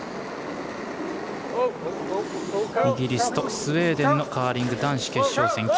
イギリスとスウェーデンのカーリング男子決勝戦。